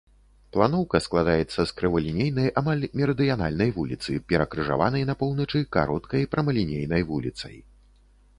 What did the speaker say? Планоўка складаецца з крывалінейнай амаль мерыдыянальнай вуліцы, перакрыжаванай на поўначы кароткай прамалінейнай вуліцай.